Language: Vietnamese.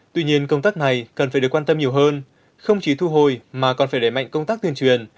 tuy nhiên công tác này cần phải được quan tâm nhiều hơn không chỉ thu hồi mà còn phải đẩy mạnh công tác tuyên truyền